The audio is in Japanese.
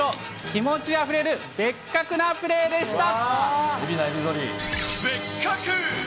気持ちあふれるベッカクなプレーでした。